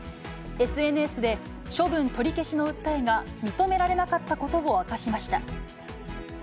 ＳＮＳで処分取り消しの訴えが認められなかったことを明かしました。